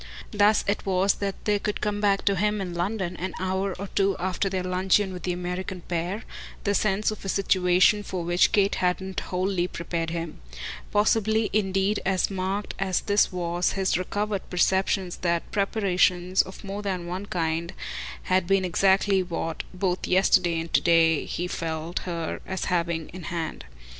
Thus it was that there could come back to him in London, an hour or two after their luncheon with the American pair, the sense of a situation for which Kate hadn't wholly prepared him. Possibly indeed as marked as this was his recovered perception that preparations, of more than one kind, had been exactly what, both yesterday and to day, he felt her as having in hand.